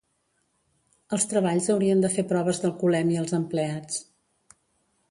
Als treballs haurien de fer proves d'alcoholèmia als empleats